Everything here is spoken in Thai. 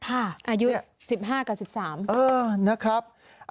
อายุ๑๕กับ๑๓นะครับ